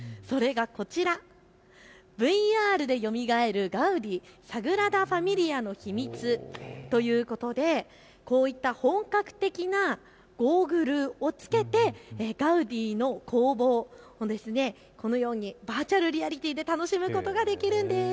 こちらＶＲでよみがえるガウディサグラダ・ファミリアの秘密ということでこういった本格的なゴーグルを着けて、ガウディの工房をこのようにバーチャルリアリティーで楽しむことができるんです。